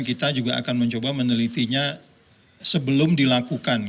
kita mencoba menelitinya sebelum dilakukan